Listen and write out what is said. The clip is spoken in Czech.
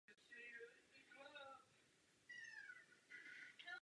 Jsou to téměř výlučně okrasná plemena.